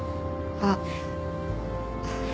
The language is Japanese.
あっ。